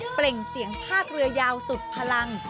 เปล่งเสียงภาคเรือยาวสุดพลัง